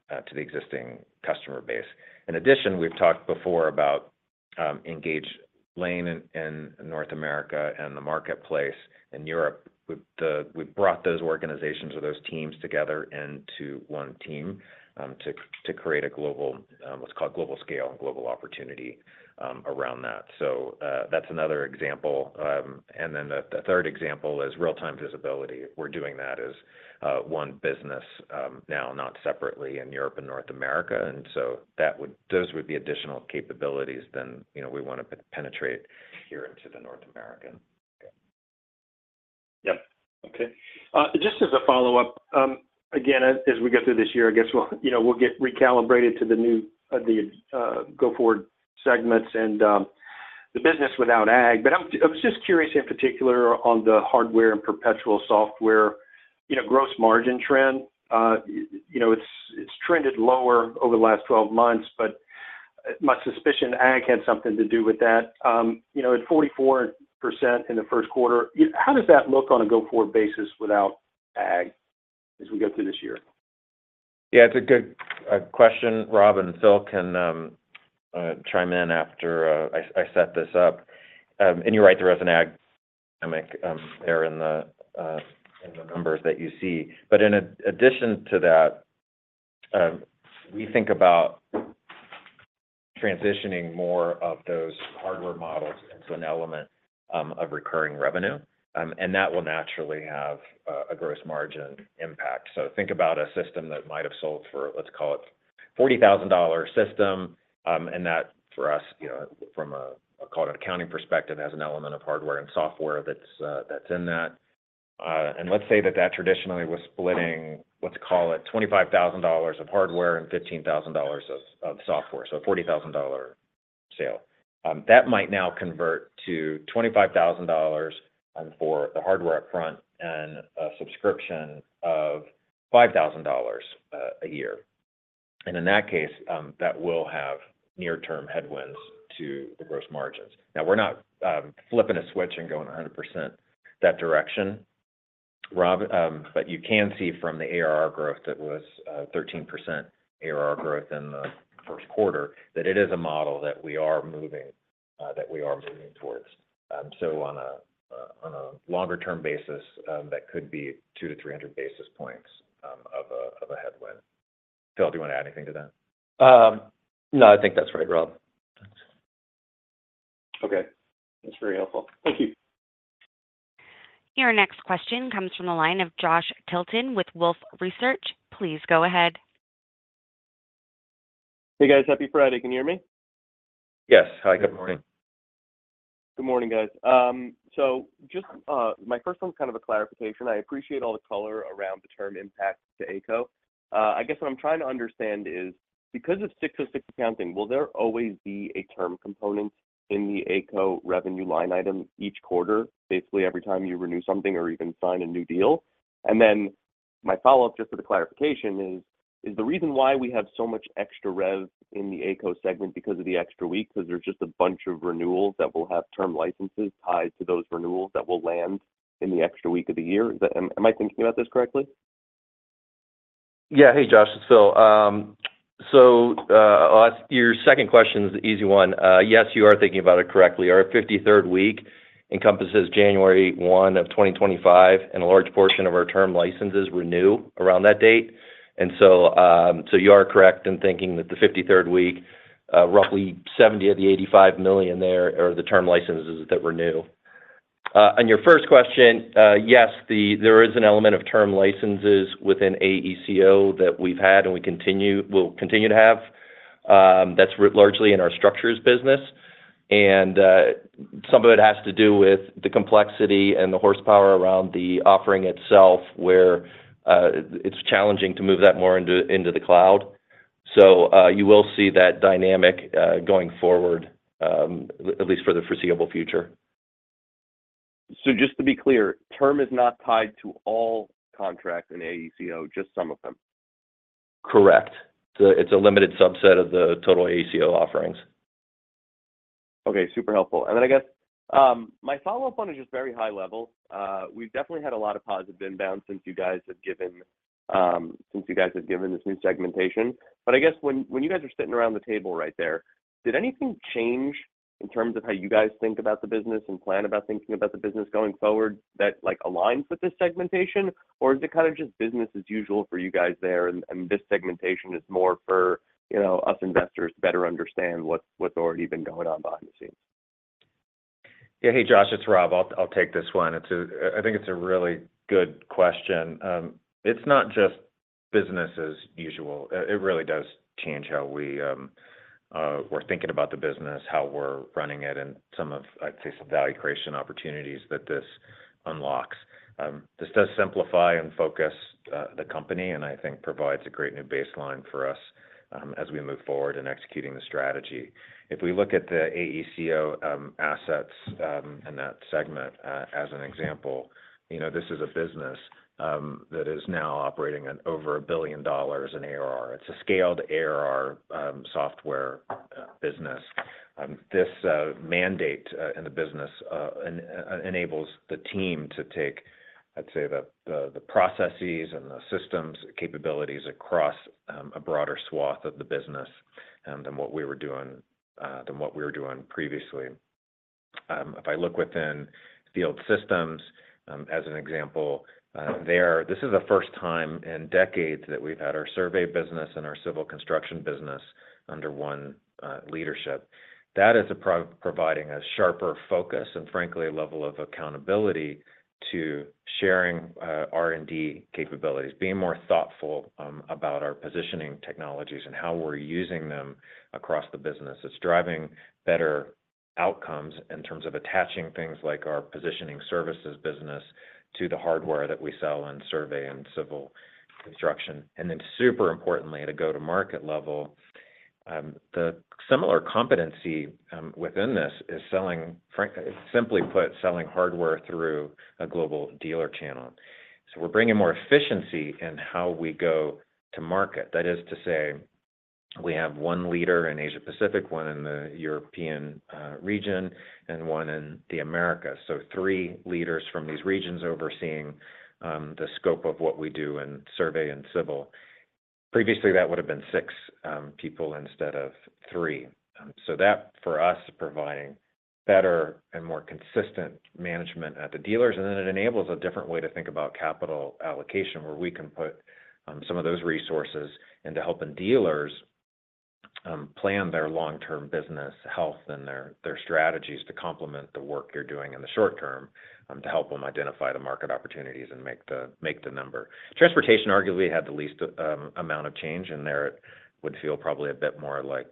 to the existing customer base. In addition, we’ve talked before about Engage Lane in North America and the marketplace in Europe. We’ve brought those organizations or those teams together into one team to create a global, what’s called global scale and global opportunity around that. So that’s another example. Then the third example is real-time visibility. We’re doing that as one business now, not separately in Europe and North America. So those would be additional capabilities than we want to penetrate here into the North America. Yep. Okay. Just as a follow-up, again, as we go through this year, I guess we'll get recalibrated to the new go-forward segments and the business without Ag. But I was just curious in particular on the hardware and perpetual software gross margin trend. It's trended lower over the last 12 months but my suspicion Ag had something to do with that. At 44% in the first quarter, how does that look on a go-forward basis without Ag as we go through this year? Yeah. It's a good question. Rob and Phil can chime in after I set this up. You're right. There is an Ag dynamic there in the numbers that you see. But in addition to that, we think about transitioning more of those hardware models into an element of recurring revenue and that will naturally have a gross margin impact. So think about a system that might have sold for, let's call it, a $40,000 system and that, for us, from a call it an accounting perspective, has an element of hardware and software that's in that. Let's say that that traditionally was splitting, let's call it, $25,000 of hardware and $15,000 of software, so a $40,000 sale. That might now convert to $25,000 for the hardware upfront and a subscription of $5,000 a year. In that case, that will have near-term headwinds to the gross margins. Now, we're not flipping a switch and going 100% that direction, Rob. But you can see from the ARR growth that was 13% ARR growth in the first quarter, that it is a model that we are moving towards. So on a longer-term basis, that could be 200-300 basis points of a headwind. Phil, do you want to add anything to that? No. I think that's right, Rob. Thanks. Okay. That's very helpful. Thank you. Your next question comes from the line of Josh Tilton with Wolfe Research. Please go ahead. Hey, guys. Happy Friday. Can you hear me? Yes. Hi. Good morning. Good morning, guys. So just my first one's kind of a clarification. I appreciate all the color around the term impact to AECO. I guess what I'm trying to understand is, because of 606 accounting, will there always be a term component in the AECO revenue line item each quarter, basically every time you renew something or even sign a new deal? Then my follow-up just for the clarification is, is the reason why we have so much extra rev in the AECO segment because of the extra week, because there's just a bunch of renewals that will have term licenses tied to those renewals that will land in the extra week of the year? Am I thinking about this correctly? Yeah. Hey, Josh. It's Phil. So your second question is the easy one. Yes, you are thinking about it correctly. Our 53rd week encompasses January 1 of 2025 and a large portion of our term licenses renew around that date. So you are correct in thinking that the 53rd week, roughly $70 million of the $85 million there are the term licenses that renew. On your first question, yes, there is an element of term licenses within AECO that we've had and we'll continue to have. That's largely in our structures business and some of it has to do with the complexity and the horsepower around the offering itself where it's challenging to move that more into the cloud. So you will see that dynamic going forward, at least for the foreseeable future. Just to be clear, term is not tied to all contracts in AECO, just some of them. Correct. It's a limited subset of the total AECO offerings. Okay. Super helpful. Then I guess my follow-up one is just very high level. We've definitely had a lot of positive inbound since you guys have given this new segmentation. But I guess when you guys are sitting around the table right there, did anything change in terms of how you guys think about the business and plan about thinking about the business going forward that aligns with this segmentation? Or is it kind of just business as usual for you guys there and this segmentation is more for us investors to better understand what's already been going on behind the scenes? Yeah. Hey, Josh. It's Rob. I'll take this one. I think it's a really good question. It's not just business as usual. It really does change how we're thinking about the business, how we're running it, and some of, I'd say, some value creation opportunities that this unlocks. This does simplify and focus the company and I think provides a great new baseline for us as we move forward in executing the strategy. If we look at the AECO assets and that segment as an example, this is a business that is now operating over $1 billion in ARR. It's a scaled ARR software business. This mandate in the business enables the team to take, I'd say, the processes and the systems capabilities across a broader swath of the business than what we were doing than what we were doing previously. If I look within Field Systems, as an example, this is the first time in decades that we've had our survey business and our civil construction business under one leadership. That is providing a sharper focus and, frankly, a level of accountability to sharing R&D capabilities, being more thoughtful about our positioning technologies and how we're using them across the business. It's driving better outcomes in terms of attaching things like our positioning services business to the hardware that we sell in survey and civil construction. Then super importantly, at a go-to-market level, the similar competency within this is selling, simply put, selling hardware through a global dealer channel. So we're bringing more efficiency in how we go to market. That is to say, we have one leader in Asia-Pacific, one in the European region, and one in the Americas. So three leaders from these regions overseeing the scope of what we do in survey and civil. Previously, that would have been six people instead of three. So that, for us, is providing better and more consistent management at the dealers. Then it enables a different way to think about capital allocation where we can put some of those resources into helping dealers plan their long-term business health and their strategies to complement the work you're doing in the short term to help them identify the market opportunities and make the number. Transportation, arguably, had the least amount of change and there it would feel probably a bit more like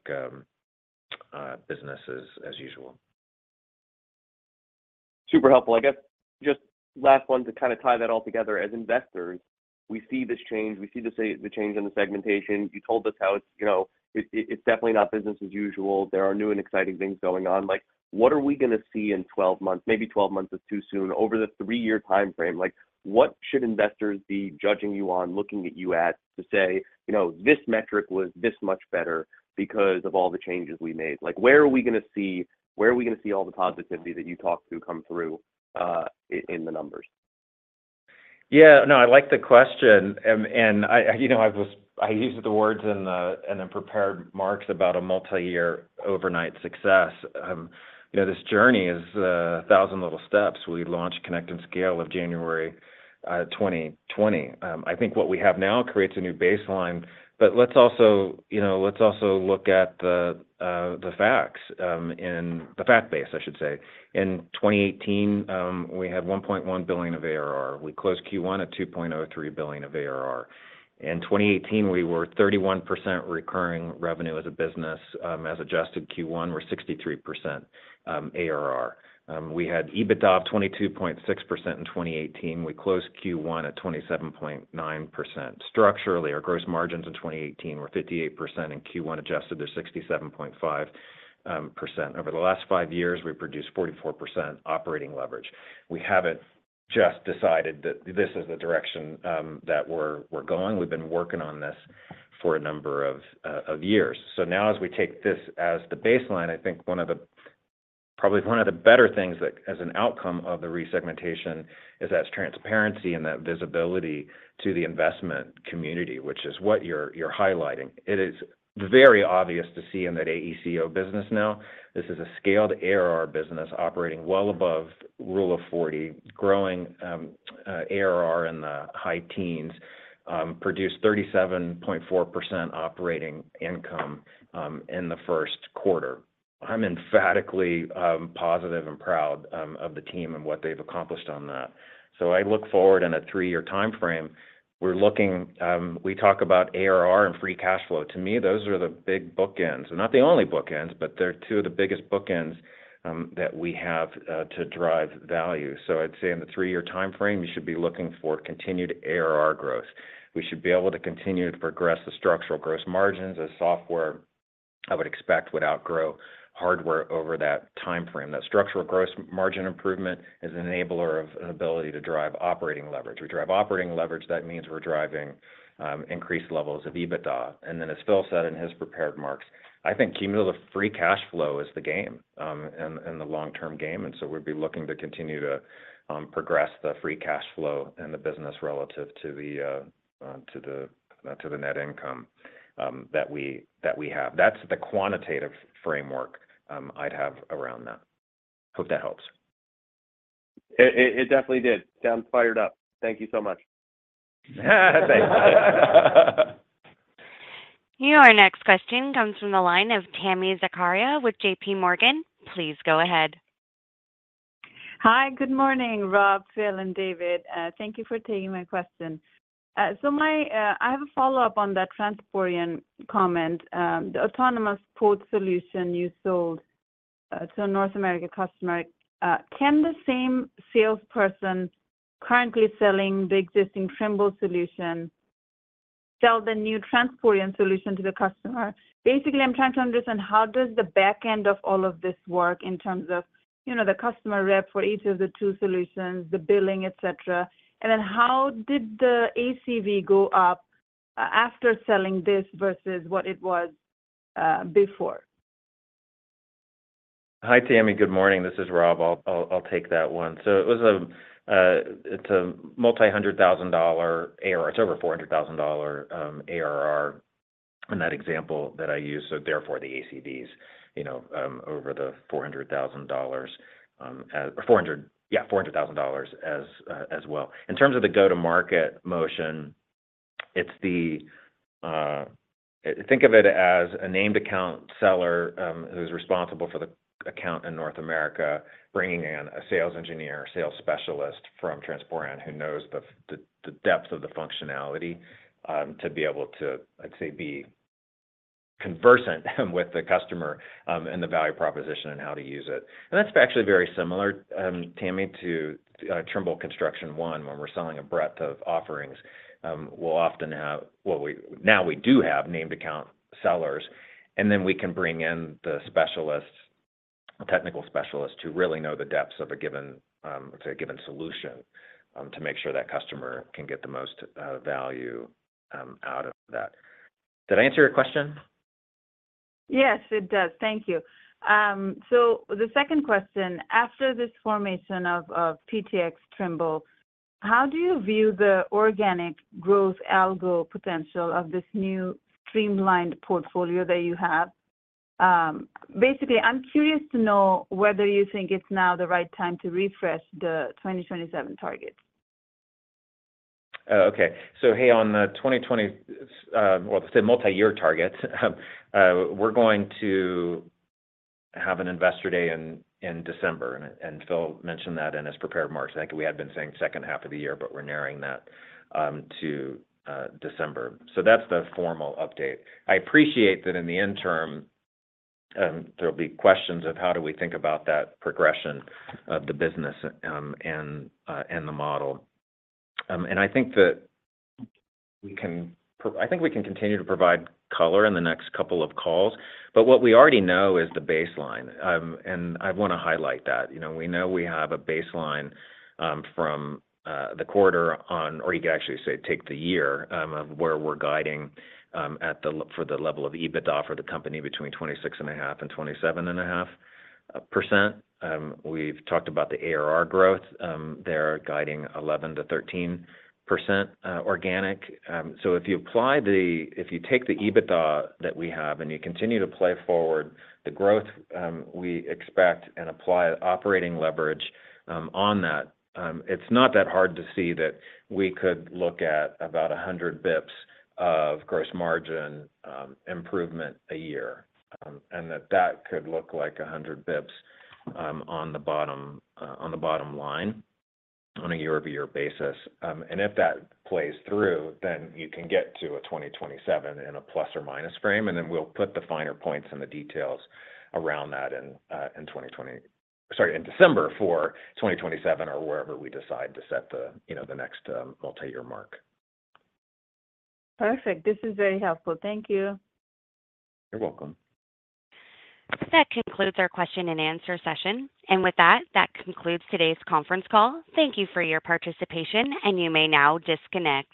business as usual. Super helpful. I guess just last one to kind of tie that all together. As investors, we see this change. We see the change in the segmentation. You told us how it's definitely not business as usual. There are new and exciting things going on. What are we going to see in 12 months? Maybe 12 months is too soon. Over the three-year time frame, what should investors be judging you on, looking at you at, to say, "This metric was this much better because of all the changes we made"? Where are we going to see all the positivity that you talked to come through in the numbers? Yeah. No, I like the question. I used the words in the prepared remarks about a multi-year overnight success. This journey is 1,000 little steps. We launched Connect and Scale in January 2020. I think what we have now creates a new baseline. Let's also look at the facts in the fact base, I should say. In 2018, we had $1.1 billion of ARR. We closed Q1 at $2.03 billion of ARR. In 2018, we were 31% recurring revenue as a business. As adjusted Q1, we're 63% ARR. We had EBITDA of 22.6% in 2018. We closed Q1 at 27.9%. Structurally, our gross margins in 2018 were 58% and Q1 adjusted, they're 67.5%. Over the last five years, we produced 44% operating leverage. We haven't just decided that this is the direction that we're going. We've been working on this for a number of years. So now as we take this as the baseline, I think probably one of the better things that as an outcome of the resegmentation is that transparency and that visibility to the investment community, which is what you're highlighting. It is very obvious to see in that AECO business now. This is a scaled ARR business operating well above Rule of 40, growing ARR in the high teens, produced 37.4% operating income in the first quarter. I'm emphatically positive and proud of the team and what they've accomplished on that. So I look forward in a three-year time frame. We talk about ARR and free cash flow. To me, those are the big bookends. They're not the only bookends, but they're two of the biggest bookends that we have to drive value. So I'd say in the three-year time frame, you should be looking for continued ARR growth. We should be able to continue to progress the structural gross margins as software I would expect would outgrow hardware over that time frame. That structural gross margin improvement is an enabler of an ability to drive operating leverage. We drive operating leverage. That means we're driving increased levels of EBITDA. Then as Phil said in his prepared remarks, I think cumulative free cash flow is the game and the long-term game. So we'd be looking to continue to progress the free cash flow in the business relative to the net income that we have. That's the quantitative framework I'd have around that. Hope that helps. It definitely did. Sounds fired up. Thank you so much. Your next question comes from the line of Tami Zakaria with J.P. Morgan. Please go ahead. Hi. Good morning, Rob, Phil, and David. Thank you for taking my question. So I have a follow-up on that Transporeon comment. The Autonomous Procurement solution you sold to a North American customer, can the same salesperson currently selling the existing Trimble solution sell the new Transporeon solution to the customer? Basically, I'm trying to understand how does the backend of all of this work in terms of the customer rep for each of the two solutions, the billing, etc.? Then how did the ACV go up after selling this versus what it was before? Hi, Tammy. Good morning. This is Rob. I'll take that one. So it's a multi-hundred thousand dollar ARR. It's over $400,000 ARR in that example that I use. So therefore, the ACVs over the $400,000 or $400,000 as well. In terms of the go-to-market motion, think of it as a named account seller who's responsible for the account in North America, bringing in a sales engineer, a sales specialist from Transporeon who knows the depth of the functionality to be able to, I'd say, be conversant with the customer and the value proposition and how to use it and that's actually very similar, Tammy, to Trimble Construction One when we're selling a breadth of offerings. We'll often have what we now do have named account sellers. Then we can bring in the technical specialist to really know the depths of a given, I'd say a given solution to make sure that customer can get the most value out of that. Did I answer your question? Yes, it does. Thank you. The second question, after this formation of PTx Trimble, how do you view the organic growth algo potential of this new streamlined portfolio that you have? Basically, I'm curious to know whether you think it's now the right time to refresh the 2027 targets. Okay. So, hey, on the 2020, well, the multi-year targets, we're going to have an investor day in December. Phil mentioned that in his prepared remarks. I think we had been saying second half of the year, but we're narrowing that to December. So that's the formal update. I appreciate that in the interim, there'll be questions of how do we think about that progression of the business and the model. I think that we can continue to provide color in the next couple of calls. But what we already know is the baseline and I want to highlight that. We know we have a baseline from the quarter, or you could actually say take the year of where we're guiding for the level of EBITDA for the company between 26.5% and 27.5%. We've talked about the ARR growth. They're guiding 11%-13% organic. So if you take the EBITDA that we have and you continue to play forward the growth we expect and apply operating leverage on that, it's not that hard to see that we could look at about 100 basis points of gross margin improvement a year. That could look like 100 basis points on the bottom line on a year-over-year basis and if that plays through, then you can get to a 2027 in a ± frame. Then we'll put the finer points and the details around that in 2020, sorry, in December for 2027 or wherever we decide to set the next multi-year mark. Perfect. This is very helpful. Thank you. You're welcome. That concludes our question and answer session. With that, that concludes today's conference call. Thank you for your participation. You may now disconnect.